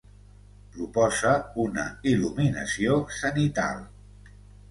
Proposa una il·luminació zenital.